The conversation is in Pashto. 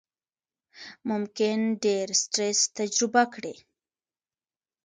ممکن ډېر سټرس تجربه کړئ،